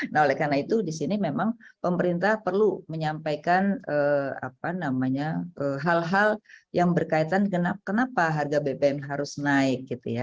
nah oleh karena itu di sini memang pemerintah perlu menyampaikan hal hal yang berkaitan kenapa harga bbm harus naik